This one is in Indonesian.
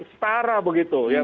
setara begitu ya